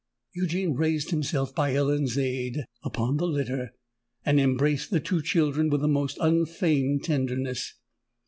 Eugene raised himself, by Ellen's aid, upon the litter, and embraced the two children with the most unfeigned tenderness.